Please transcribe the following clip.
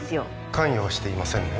関与はしていませんね？